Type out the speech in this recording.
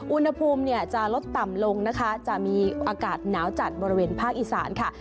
อุณหภูมิเนี่ยจะลดต่ำลงนะคะจะมีอากาศหนาวจัดบริเวณภาคอีสานค่ะ